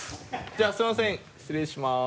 じゃあすみません失礼します。